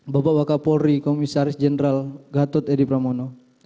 bapak bapak kapolri komisaris jenderal gatot edi pramono